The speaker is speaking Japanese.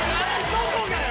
どこがよ。